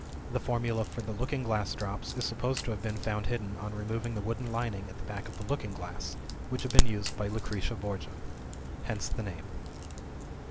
The formula for "The Looking Glass Drops" is supposed to have been found hidden on removing the wooden lining at the back of a looking glass, which had been used by Lucrezia Borgia. Hence the name.